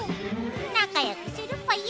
なかよくするぽよ。